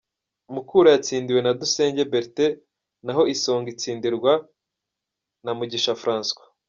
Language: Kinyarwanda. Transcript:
Mukura yatsindiwe na Dusenge Bertin naho Isonga itsindirwa na Mugisha Francois.